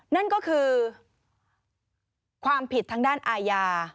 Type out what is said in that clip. นั่นก็คือความผิดทางด้านอาญา